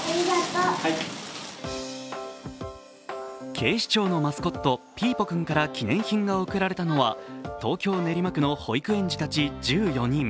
警視庁のマスコット・ピーポくんから記念品が贈られたのは東京・練馬区の保育園児たち１４人。